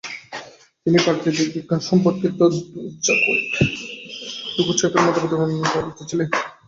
তিনি প্রাকৃতিক বিজ্ঞান-সম্পর্কিত দোকুচায়েভ মতবাদের অন্যতম প্রবক্তা ছিলেন।